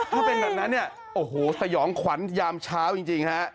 ถ้าเป็นแบบนั้นเนี่ยโอ้โหสยองขวัญยามเช้าจริงฮะ